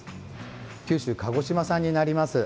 九州・鹿児島産になります。